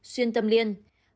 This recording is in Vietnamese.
một mươi một xuyên tâm liên